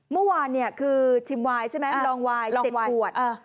เมื่อวานเนี่ยคือชิมไว้ใช่ไหมลองไว้เจ็บปวด